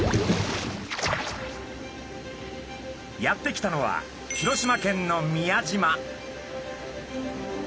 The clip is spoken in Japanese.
やって来たのは広島県の宮島。